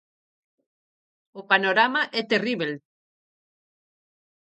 O panorama é terríbel.